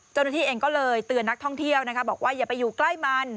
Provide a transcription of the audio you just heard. เจ้าหน้าที่เองก็เลยเตือนนักท่องเที่ยวนะคะบอกว่าอย่าไปอยู่ใกล้มัน